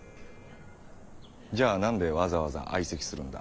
じゃあなんでわざわざ相席するんだ。